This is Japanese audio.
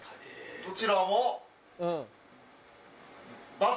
どちらも。